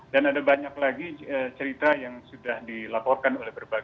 dan ada banyak lagi cerita yang sudah dilaporkan oleh berbunyi